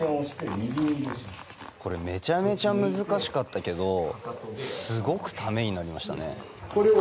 これめちゃめちゃ難しかったけどすごくためになりましたね。